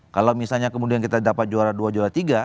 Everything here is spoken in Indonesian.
kalau misalnya kemudian kita dapat juara dua juara tiga